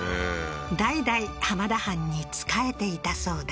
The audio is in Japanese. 代々浜田藩に仕えていたそうだ